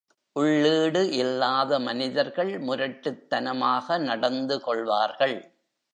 உள்ளீடு இல்லாத மனிதர்கள் முரட்டுத் தனமாக நடந்துகொள்வார்கள்.